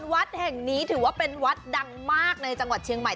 วัดแห่งนี้ถือว่าเป็นวัดดังมากในจังหวัดเชียงใหม่